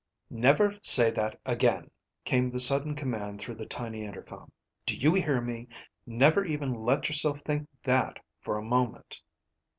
"Never say that again," came the sudden command through the tiny intercom. "Do you hear me? Never even let yourself think that for a moment."